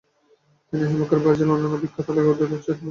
তিনি Homer, Virgil এবং অন্যান্য বিখ্যাত লেখকদের সাহিত্য পড়ে ফেলেছিলেন।